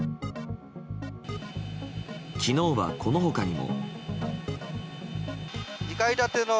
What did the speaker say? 昨日はこの他にも。